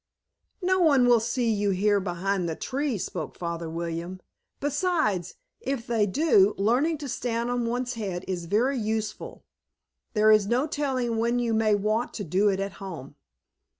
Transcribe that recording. "No one will see you here behind the trees," spoke Father William. "Besides, if they do, learning to stand on one's head is very useful. There is no telling when you may want to do it at home."